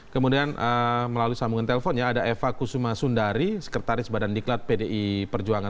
kemudian melalui sambungan telepon ya ada eva kusuma sundari sekretaris badan diklat pdi perjuangan